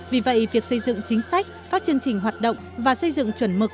vì vậy việc xây dựng chính sách các chương trình hoạt động và xây dựng chuẩn mực